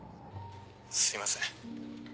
すいません。